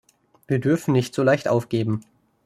Wir dürfen nicht so leicht aufgeben.